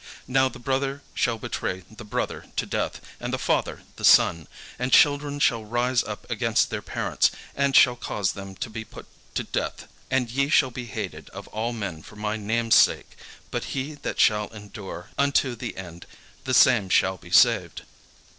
Now the brother shall betray the brother to death, and the father the son; and children shall rise up against their parents, and shall cause them to be put to death. And ye shall be hated of all men for my name's sake: but he that shall endure unto the end, the same shall be saved.